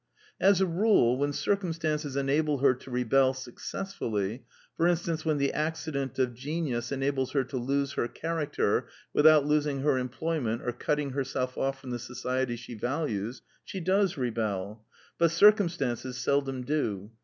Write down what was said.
As a rule, when circumstances enable her to rebel successfully — for instance, when the accident of genius enables her to " lose her char acter " without losing her employment or cutting herself off from the society she values — she does rebel; but circumstances seldom do.